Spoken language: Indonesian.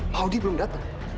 maudie belum datang